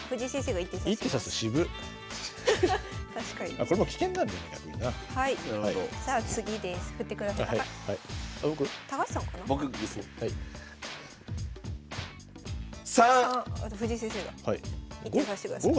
１手指してください。